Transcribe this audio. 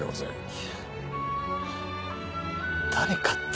いや誰かって。